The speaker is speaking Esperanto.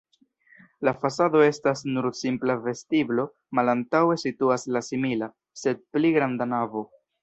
La fasado estas nur simpla vestiblo, malantaŭe situas la simila, sed pli granda navo.